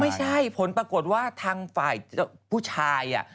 ไม่ใช่ผลปรากฏว่าทางฝ่ายผู้ชาย